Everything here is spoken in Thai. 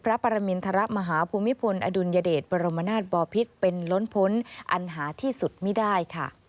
พระปรมินทรมาฮภูมิพลอดุลยเดชบรมนาศบอพิษเป็นล้นพ้นอันหาที่สุดไม่ได้ค่ะ